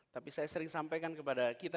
tapi saya sering sampaikan kepada kita